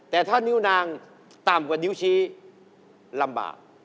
แต่ถ้านิ้วนางต่ำกว่านิ้วชี้ลำบาก